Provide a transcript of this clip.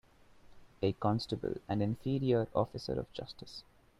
A constable an inferior officer of justice.